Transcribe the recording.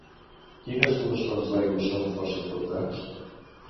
Quines dues fonts d'aigua són força importants?